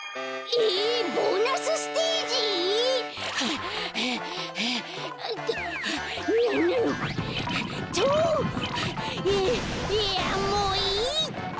えっいやもういいって！